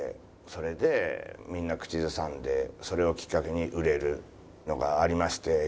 それでみんな口ずさんでそれをきっかけに売れるのがありまして芸人の中で。